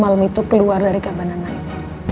malam itu keluar dari kabanan naik